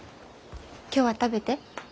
今日は食べて。